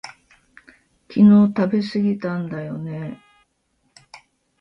昨日食べすぎたんだよね